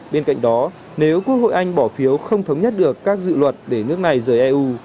bên cạnh đó nếu quốc hội anh bỏ phiếu không thống nhất được các dự luật để nước này rời eu